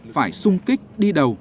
phải sung kích đi đầu